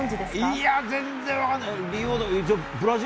いや全然分からない。